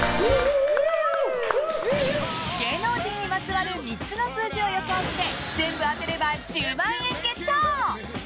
芸能人にまつわる３つの数字を予想して全部当てれば１０万円ゲット！